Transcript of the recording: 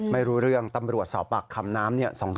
ไม่รู้เรื่องตำรวจสอบปากคำน้ำ